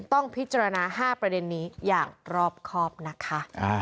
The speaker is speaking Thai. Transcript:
ต้องพิจารณา๕ประเด็นนี้อย่างรอบครอบนะคะ